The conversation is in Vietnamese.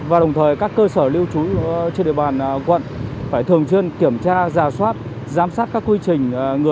và đồng thời các cơ sở lưu trú trên địa bàn quận phải thường xuyên kiểm tra giả soát giám sát các quy trình